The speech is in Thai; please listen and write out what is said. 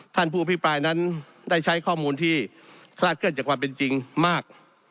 ท่านผู้อภิปรายนั้นได้ใช้ข้อมูลที่คลาดเคลื่อนจากความเป็นจริงมาก